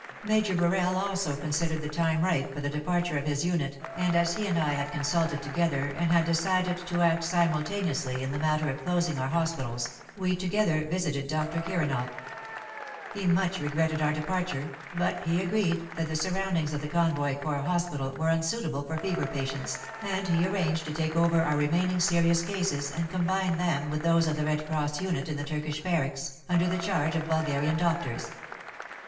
Major Birrell also considered the time ripe for the departure of his unit, and as he and I had consulted together and had decided to act simultaneously in the matter of closing our hospitals, we together visited Dr. Kiranoff. He much regretted our departure, but he agreed that the surroundings of the Convoy Corps Hospital were unsuitable for fever patients, and he arranged to take over our remaining serious cases and combine them with those of the Red Cross unit in the Turkish Barracks, under the charge of Bulgarian doctors.